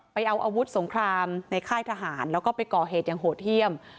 ไปเอาอาวุธสงครามในค่ายทหารแล้วก็ไปก่อเหตุอย่างโหดเยี่ยม